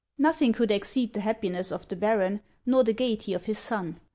Nothing could exceed the happiness of the Baron, nor the gaiety of his son.